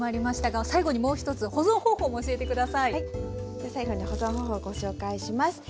では最後に保存方法をご紹介します。